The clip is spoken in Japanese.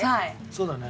そうだね。